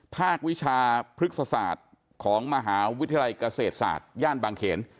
วิชาพฤกษศาสตร์ของมหาวิทยาลัยเกษตรศาสตร์ย่านบางเขน